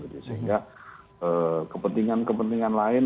sehingga kepentingan kepentingan lain